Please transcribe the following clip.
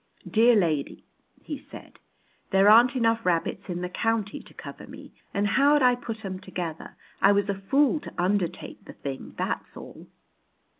"Dear lady," he said, "there aren't enough rabbits in the county to cover me, and how'd I put 'em together? I was a fool to undertake the thing, that's all."